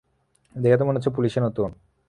দেখে তো মনে হচ্ছে পুলিশে নতুন।